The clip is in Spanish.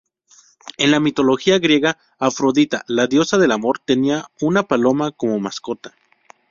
En la mitología griega, Afrodita, la diosa del amor, tenía una paloma como mascota.